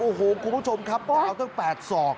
โอ้โหคุณผู้ชมครับยาวตั้ง๘ศอก